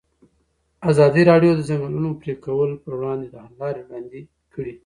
ازادي راډیو د د ځنګلونو پرېکول پر وړاندې د حل لارې وړاندې کړي.